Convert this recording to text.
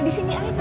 di sini aja